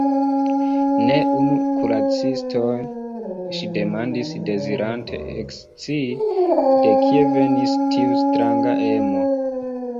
Ne unu kuraciston ŝi demandis dezirante ekscii, de kie venis tiu stranga emo.